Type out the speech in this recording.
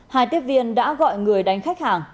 hai tiếp viên đã gọi người đánh khách hàng